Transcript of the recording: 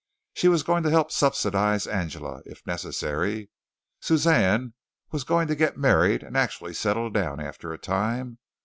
She was going to help subsidize Angela, if necessary. Suzanne was going to get married, and actually settle down after a time.